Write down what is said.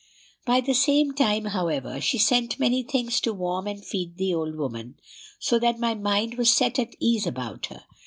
At the same time, however, she sent many things to warm and feed the old woman, so that my mind was set at ease about her.